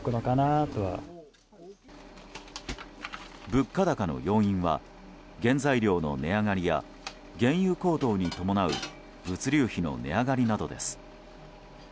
物価高の要因は原材料の値上がりや原油高騰に伴う物流費の値上がりなどです。